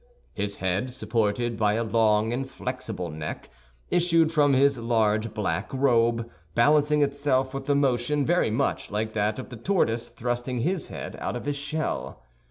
His head, supported by a long and flexible neck, issued from his large black robe, balancing itself with a motion very much like that of the tortoise thrusting his head out of his shell.